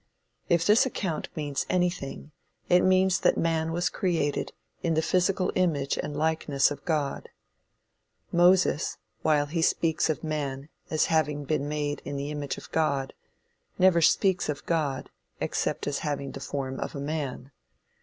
If this account means anything, it means that man was created in the physical image and likeness of God. Moses while he speaks of man as having been made in the image of God, never speaks of God except as having the form of a man.